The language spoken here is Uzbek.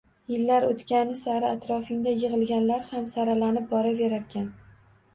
Yillar oʻtgani sari atrofingda yigʻilganlar ham saralanib boraverarkan.